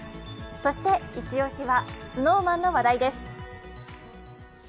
そしてイチ押しは、ＳｎｏｗＭａｎの話題です。